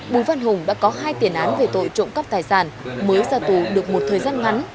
bùi văn hùng đã có hai tiền án về tội trộm cắp tài sản mới ra tù được một thời gian ngắn